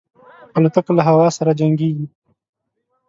الوتکه له هوا سره جنګيږي.